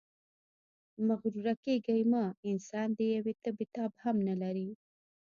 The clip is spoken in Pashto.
مغروره کېږئ مه، انسان د یوې تبې تاب هم نلري.